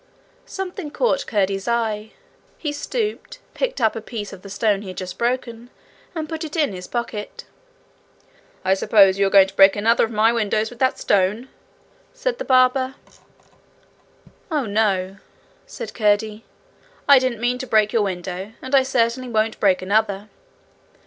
Something caught Curdie's eye. He stooped, picked up a piece of the stone he had just broken, and put it in his pocket. 'I suppose you are going to break another of my windows with that stone!' said the barber. 'Oh no,' said Curdie. 'I didn't mean to break your window, and I certainly won't break another.'